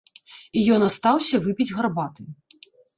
І ён астаўся выпіць гарбаты.